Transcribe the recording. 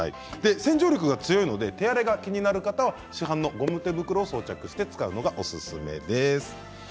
洗浄力が強いので手荒れが気になる方は市販のゴム手袋をしてやるのがおすすめです。